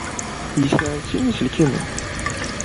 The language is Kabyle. Yesɛa sin n yiselkimen.